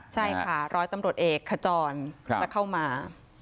ใช่ค่ะร้อยตำรวจเอกขจรจะเข้ามา